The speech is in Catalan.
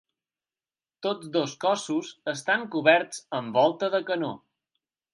Tots dos cossos estan coberts amb volta de canó.